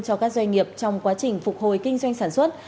cho các doanh nghiệp trong quá trình phục hồi kinh doanh sản xuất